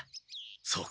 そうか。